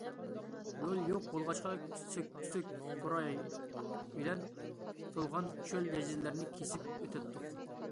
يول يوق بولغاچقا سۆكسۆك، قوراي بىلەن تولغان چۆل- جەزىرىلەرنى كېسىپ ئۆتەتتۇق.